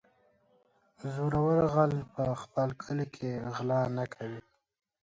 - زورور غل په خپل کلي کې غلا نه کوي.